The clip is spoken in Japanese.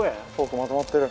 まとまってる。